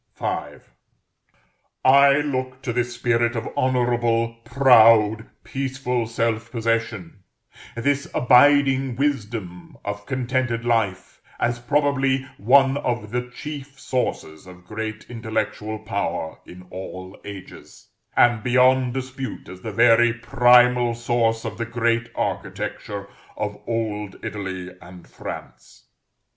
V. I look to this spirit of honorable, proud, peaceful self possession, this abiding wisdom of contented life, as probably one of the chief sources of great intellectual power in all ages, and beyond dispute as the very primal source of the great architecture of old Italy and France.